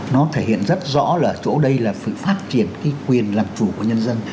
nó thể hiện rất rõ là chỗ đây là phát triển quyền làm chủ của nhân dân